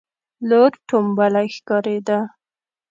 لور ټومبلی ښکارېده.